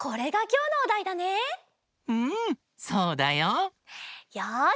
うんそうだよ。よし！